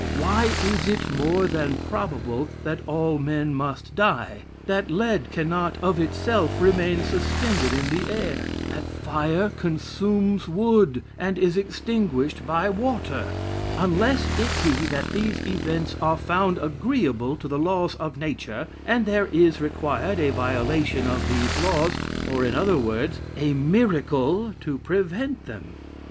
Why is it more than probable that all men must die; that lead cannot, of itself, remain suspended in the air; that fire consumes wood, and is extinguished by water; unless it be that these events are found agreeable to the laws of nature, and there is required a violation of these laws, or, in other words, a miracle to prevent them?